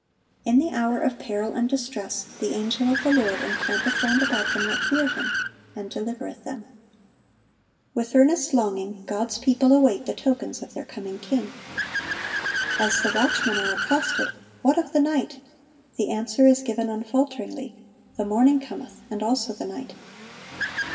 In the hour of peril and distress, "the angel of the Lord encampeth round about them that fear Him, and delivereth them."(1084) With earnest longing, God's people await the tokens of their coming King. As the watchmen are accosted, "What of the night?" the answer is given unfalteringly, " 'The morning cometh, and also the night.